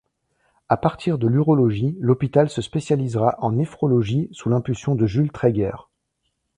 À partir de l’urologie l’hôpital se spécialisera en néphrologie sous l’impulsion de Jules Traeger.